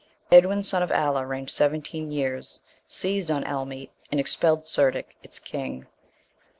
Edwin, son of Alla, reigned seventeen years, seized on Elmete, and expelled Cerdic, its king.